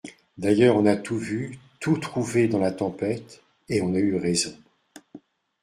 D'ailleurs on a tout vu, tout trouvé dans la Tempête, et on a eu raison.